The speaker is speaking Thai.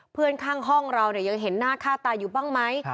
เพื่อนข้างห้องเรายังเห็นหน้าค่าตาอยู่บ้างไหม